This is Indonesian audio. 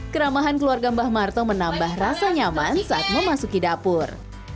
keramahan keluarga mbah marto menambah rasa nyaman saat memasuki dapur